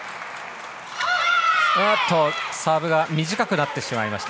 サーブが短くなってしまいました。